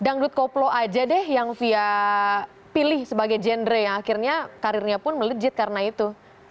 dangdut koplo aja deh yang fia pilih sebagai genre yang akhirnya karirnya pun melejit karena itu